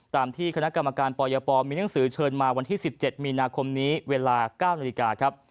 ตามที่คณะกรรมการปยปมีหนังสือเชิญมาวันที่๑๗มีนาคมนี้เวลา๙นาฬิกาครับ